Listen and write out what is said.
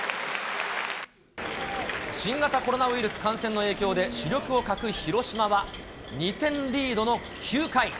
新型コロナウイルス感染の影響で、主力を欠く広島は、２点リードの９回。